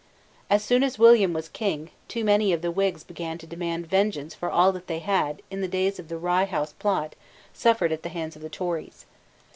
As soon as William was King, too many of the Whigs began to demand vengeance for all that they had, in the days of the Rye House Plot, suffered at the hands of the Tories.